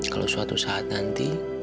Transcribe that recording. kalau suatu saat nanti